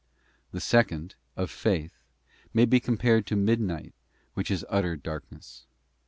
The second, of faith, may be compared to mid night, which is utter darkness.